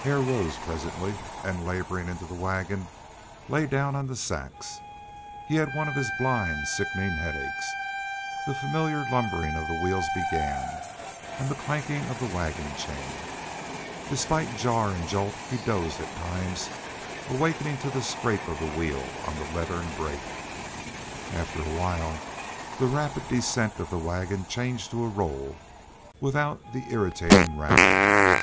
Hare rose presently and, laboring into the wagon, lay down on the sacks. He had one of his blind, sickening headaches. The familiar lumbering of wheels began, and the clanking of the wagon chain. Despite jar and jolt he dozed at times, awakening to the scrape of the wheel on the leathern brake. After a while the rapid descent of the wagon changed to a roll, without the irritating rattle.